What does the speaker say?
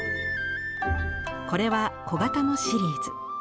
これは小形のシリーズ。